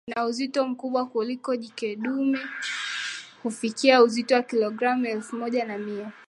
na uzito mkubwa kuliko jike Dume hufikia uzito wa kilogramu elfu moja na Mia